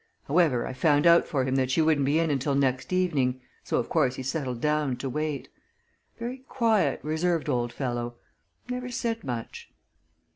However, I found out for him that she wouldn't be in until next evening, so of course he settled down to wait. Very quiet, reserved old fellow never said much."